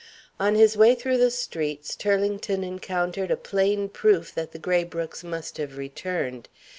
On his way through the streets, Turlington encountered a plain proof that the Graybrookes must have returned.